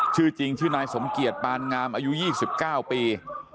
ชื่อจริงชื่อนายสมเกียจปานงามอายุ๒๙ปี